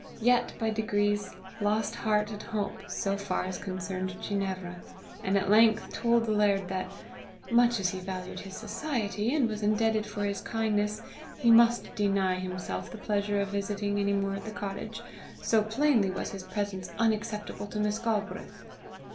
yet by degrees lost heart and hope so far as concerned Ginevra, and at length told the laird that, much as he valued his society, and was indebted for his kindness, he must deny himself the pleasure of visiting any more at the cottage so plainly was his presence unacceptable to Miss Galbraith.